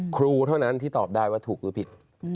ครูเท่านั้นที่ตอบได้ว่าถูกหรือผิด